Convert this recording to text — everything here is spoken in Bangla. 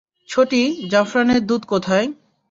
ছোটি, জাফরানের দুধ কোথায়?